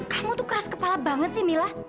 kamu tuh keras kepala banget sih mila